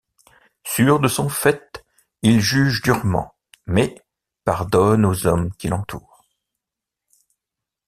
Sûr de son fait, il juge durement, mais pardonne aux hommes qui l'entourent.